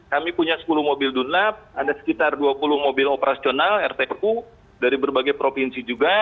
kami punya sepuluh mobil dunnap ada sekitar dua puluh mobil operasional rtku dari berbagai provinsi juga